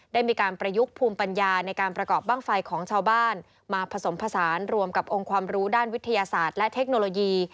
ได้มีการประยุกต์ภูมิปัญญาในการประกอบบ้างไฟของชาวบ้านมาผสมผสานรวมกับองค์ความรู้ด้านวิทยาศาสตร์และเทคโนโลยี